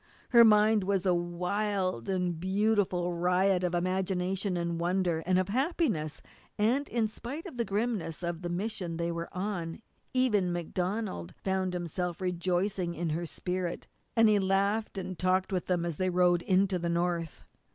Her mind was a wild and beautiful riot of imagination, of wonder, and of happiness, and in spite of the grimness of the mission they were on even MacDonald found himself rejoicing in her spirit, and he laughed and talked with them as they rode into the North.